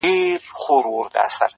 وينه د وجود مي ده ژوندی يم پرې،